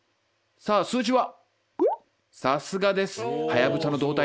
さあ数字は？